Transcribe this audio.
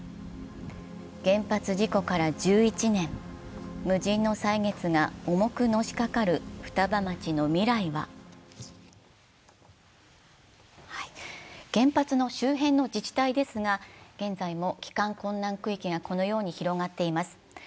原発事故から１１年無人の歳月が重くのしかかる双葉町の未来は原発の周辺の自治体ですが、現在も帰還困難区域がこのように広がっています。